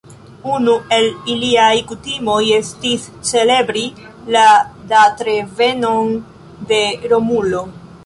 Unu el iliaj kutimoj estis celebri la datrevenon de Romulo.